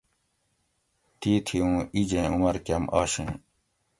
تیتھی اوں ایجیں عمر کۤم آشیں